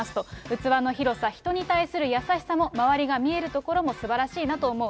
器の広さ、人に対する優しさも、周りが見えるところもすばらしいなと思う。